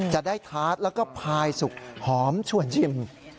จะได้ทาสแล้วก็พายสุกหอมชวนชิม